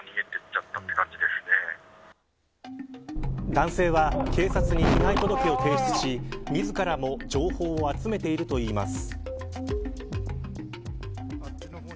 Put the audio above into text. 男性は警察に被害届を提出し自らも情報を集めているといいます。